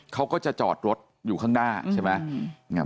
เขาก็จะจอดรถอยู่ข้างหน้าใช่ไหม